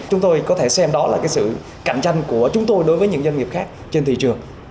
chúng tôi có thể xem đó là sự cạnh tranh của chúng tôi đối với những doanh nghiệp khác trên thị trường